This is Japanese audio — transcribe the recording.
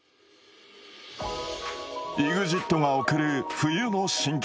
ＥＸＩＴ が送る冬の新曲